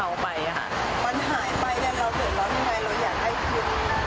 มันหายไปแล้วเราเดือดร้อนยังไงเราอยากให้คืนอะไรอย่างนี้